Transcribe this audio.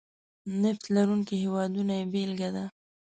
نفت لرونکي هېوادونه یې بېلګه ده.